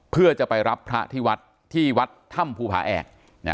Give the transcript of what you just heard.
เพื่อจะไปรับพระที่วัดที่วัดถ้ำภูผาแอก